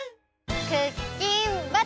クッキンバトル！